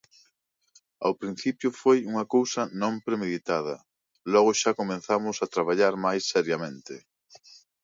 Ao principio foi unha cousa non premeditada, logo xa comezamos a traballar máis seriamente.